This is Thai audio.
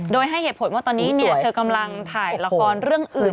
โดยให้เหตุผลว่าตอนนี้เธอกำลังถ่ายละครเรื่องอื่น